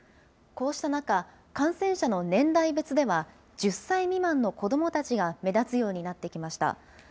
こうした中、感染者の年代別では１０歳未満の子どもたちが目立つようになってきました。